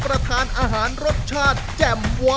อร่อยจัง